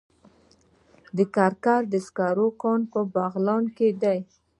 د کرکر د سکرو کان په بغلان کې دی